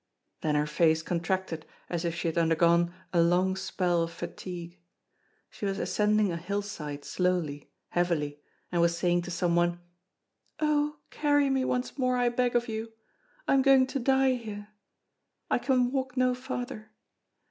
Then her face contracted as if she had undergone a long spell of fatigue. She was ascending a hillside slowly, heavily, and was saying to some one: "Oh! carry me once more, I beg of you. I am going to die here! I can walk no farther.